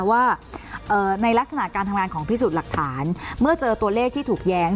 ว่าในลักษณะการทำงานของพิสูจน์หลักฐานเมื่อเจอตัวเลขที่ถูกแย้ง